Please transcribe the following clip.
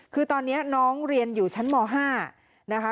คือตอนนี้น้องเรียนอยู่ชั้นม๕นะคะ